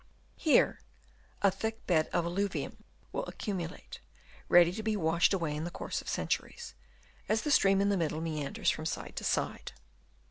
Here a thick bed of alluvium will accumulate, ready to be washed away in the course of centuries, as the stream in the middle meanders from side to side.